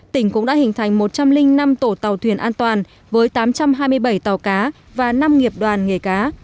tỉnh cũng đã hình thành một trăm linh năm tổ tàu thuyền an toàn với tám trăm hai mươi bảy tàu cá và năm nghiệp đoàn nghề cá